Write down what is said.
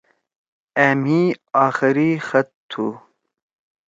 أ مھی آخری خط تُھو۔